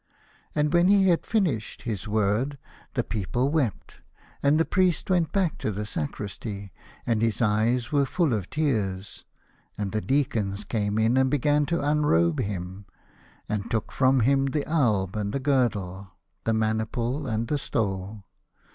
And when he had finished his word the people wept, and the Priest went back to the sacristy, and his eyes were full of tears. And the deacons came in and began to unrobe him, and took from him the alb and the girdle, the maniple and the stole.